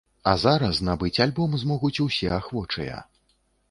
А зараз набыць альбом змогуць усе ахвочыя.